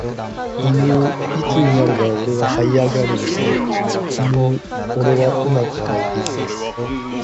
いぬーいつになれば俺は這い上がれるだろういぬー俺はうまく笑えているか